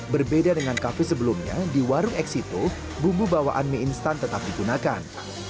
berbeda dengan kafe sebelumnya di warung eksito bumbu bawaan mie instan tetap digunakan